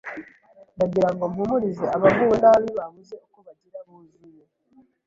Ndagirango mpumurize abaguwe nabi babuze uko bagira buzuye